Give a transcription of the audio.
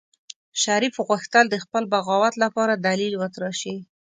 شريف غوښتل د خپل بغاوت لپاره دليل وتراشي.